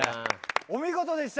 お見事でした。